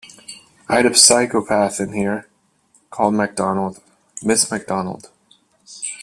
I had a psychopath in here, called McDonald - Miss McDonald.